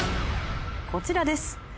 こちらです。